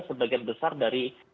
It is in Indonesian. sebagian besar dari